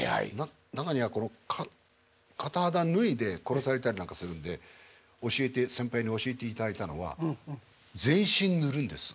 中には片肌脱いで殺されたりなんかするんで先輩に教えていただいたのは全身塗るんです。